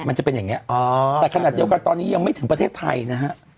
มันจะเป็นอย่างนี้แต่ขณะเดียวกันตอนนี้ยังไม่ถึงประเทศไทยนะฮะ